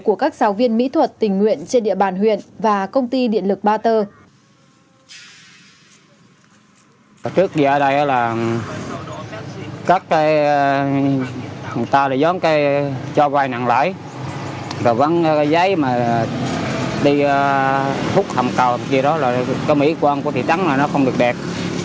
của các giáo viên mỹ thuật tình nguyện